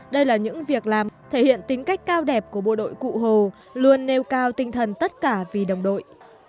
đây là những việc làm thể hiện tính cách cao đẹp của bộ đội cụ hồ luôn nêu cao tinh thần tất cả vì đồng đội